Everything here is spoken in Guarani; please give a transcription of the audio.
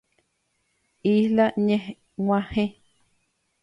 Isla ñeg̃uahẽ.